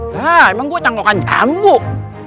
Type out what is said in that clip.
hah emang gue canggokan jangguk